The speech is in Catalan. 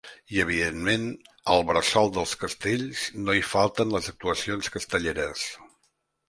I evidentment, al bressol dels castells no hi falten les actuacions castelleres.